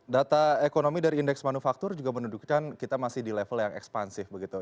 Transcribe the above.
data ekonomi dari indeks manufaktur juga menunjukkan kita masih di level yang ekspansif begitu